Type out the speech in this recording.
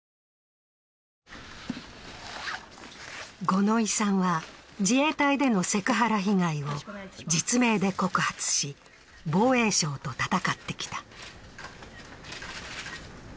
五ノ井さんは、自衛隊でのセクハラ被害を実名で告発し防衛省と戦ってきた。